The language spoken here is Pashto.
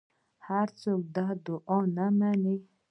هر څوک دا ادعا نه مني